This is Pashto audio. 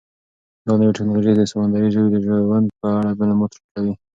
دا نوې ټیکنالوژي د سمندري ژویو د ژوند په اړه معلومات راټولوي.